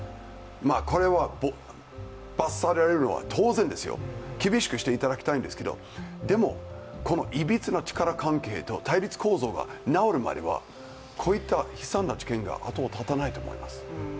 これは罰せられるのは当然ですよ厳しくしていただきたいんですけどでも、このいびつな力関係と対立構造が直るまでは、こういった悲惨な事件が後を絶たないと思います。